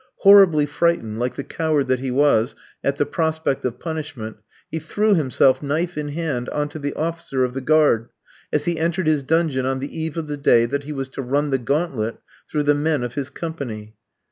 Horribly frightened, like the coward that he was, at the prospect of punishment, he threw himself, knife in hand, on to the officer of the guard, as he entered his dungeon on the eve of the day that he was to run the gauntlet through the men of his company.